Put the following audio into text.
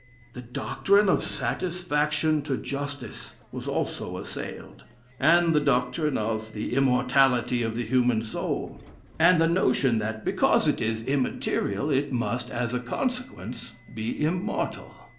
The doctrine of satisfaction to justice, was also assailed, and the doctrine of the immortality of the human soul, and the notion that because it is immaterial, it must, as a consequence, be immortal....